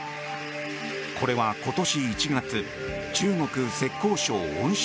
これは今年１月中国・浙江省温州